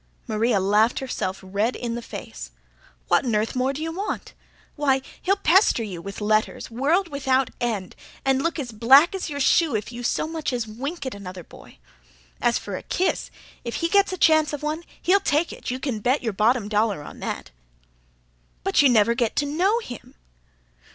Maria laughed herself red in the face. "What'n earth more d'you want? Why, he'll pester you with letters, world without end, and look as black as your shoe if you so much as wink at another boy. As for a kiss, if he gets a chance of one he'll take it you can bet your bottom dollar on that." "But you never get to know him!"